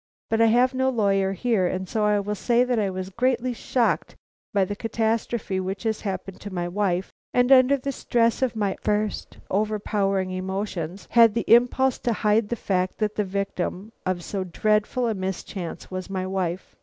But I have no lawyer here, and so I will say that I was greatly shocked by the catastrophe which had happened to my wife, and under the stress of my first overpowering emotions had the impulse to hide the fact that the victim of so dreadful a mischance was my wife.